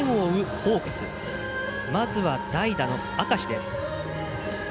ホークスまずは代打の明石です。